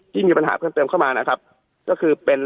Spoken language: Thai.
มีปัญหาเพิ่มเติมเข้ามานะครับก็คือเป็น